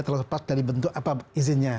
terus pas dari bentuk apa izinnya